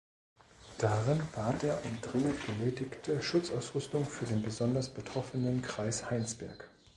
Darin bat er um dringend benötigte Schutzausrüstung für den besonders betroffenen Kreis Heinsberg.